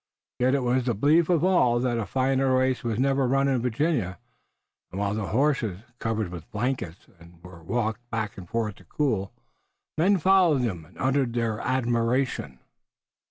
Yet it was the belief of all that a finer race was never run in Virginia, and while the horses, covered with blankets, were walked back and forth to cool, men followed them and uttered their admiration.